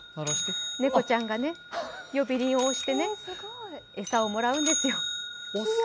猫ちゃんが呼び鈴を押してね、餌をもらうんですよ。